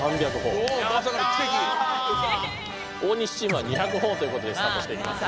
大西チームは２００ほぉということでスタートしていきますね。